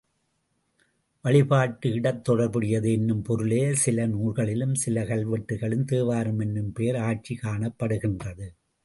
வழிபாட்டு இடத் தொடர்புடையது என்னும் பொருளில் சில நூல்களிலும் சில கல்வெட்டுகளிலும் தேவாரம் என்னும் பெயர் ஆட்சி காணப்படுகின்றது.